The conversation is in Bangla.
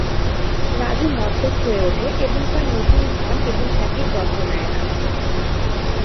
রাজু মদ্যপ হয়ে ওঠে, এবং তার নতুন ধন এবং খ্যাতির যত্ন নেয় না।